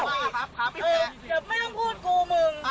เดี๋ยวไม่ต้องพูดกูมึง